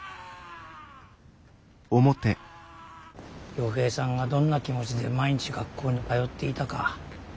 ・陽平さんがどんな気持ちで毎日学校に通っていたか。